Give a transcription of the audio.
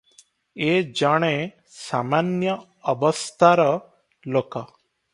ଏ ଜଣେ ସାମାନ୍ୟ ଅବସ୍ଥାର ଲୋକ ।